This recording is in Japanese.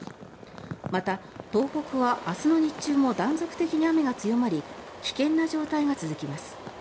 また、東北は明日の日中も断続的に雨が強まり危険な状態が続きます。